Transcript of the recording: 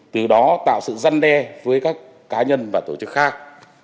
từ đó tạo sự răn đe với các cá nhân và tổ chức khác